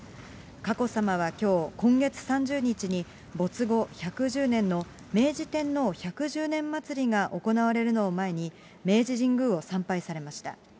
佳子さまはきょう、今月３０日に没後１１０年の明治天皇百十年祭が行われるのを前に、明治神宮を参拝されました。